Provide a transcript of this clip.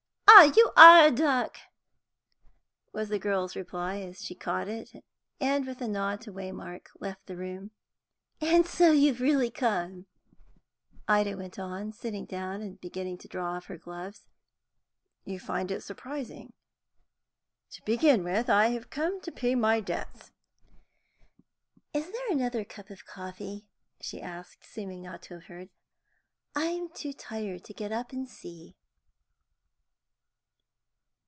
"You are a duck!" was the girl's reply, as she caught it, and, with a nod to Waymark, left the room. "And so you've really come," Ida went on, sitting down and beginning to draw off her gloves. "You find it surprising? To begin with, I have come to pay my debts." "Is there another cup of coffee?" she asked, seeming not to have heard. "I'm too tired to get up and see."